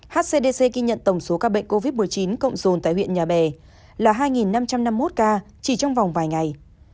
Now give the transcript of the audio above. hcdc ghi nhận tổng số ca bệnh covid một mươi chín cộng dồn tại huyện nhà bè là hai năm trăm năm mươi một ca chỉ trong vòng vài ngày